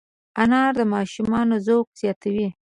انار د ماشومانو ذوق زیاتوي.